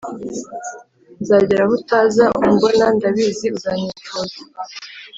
Nzagera aho utaza umbona ndabizi uzanyifuza